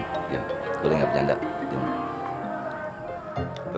gue udah nggak bercanda